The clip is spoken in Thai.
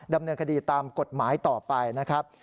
ดำเนินคดีตามกฎหมายต่อไปนะครับ